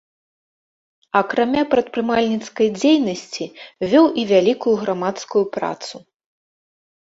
Акрамя прадпрымальніцкай дзейнасці вёў і вялікую грамадскую працу.